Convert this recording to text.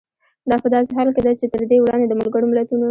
دا په داسې حال کې ده چې تر دې وړاندې د ملګرو ملتونو